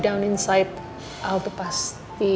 dalam dalam al itu pasti